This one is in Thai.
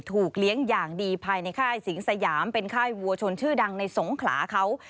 เลี้ยงอย่างดีภายในค่ายสิงสยามเป็นค่ายวัวชนชื่อดังในสงขลาเขา